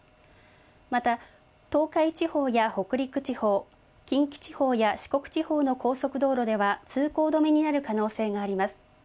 また東海地方や北陸地方、近畿地方や四国地方の高速道路では通行止めになる可能性があります。